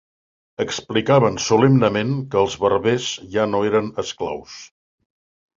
Explicaven solemnement que els barbers ja no eren esclaus.